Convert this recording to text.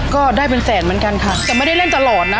ก็ได้เป็นแสนเหมือนกันค่ะแต่ไม่ได้เล่นตลอดนะ